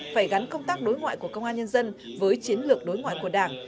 phải gắn công tác đối ngoại của công an nhân dân với chiến lược đối ngoại của đảng